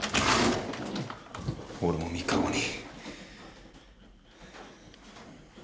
俺も３日後に。